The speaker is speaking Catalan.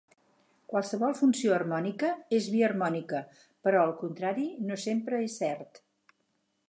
Qualsevol funció harmònica és biharmònica, però el contrari no sempre és cert.